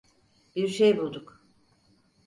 Bir şey bulduk.